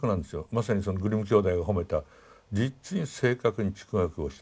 まさにグリム兄弟が褒めた実に正確に逐語訳をした。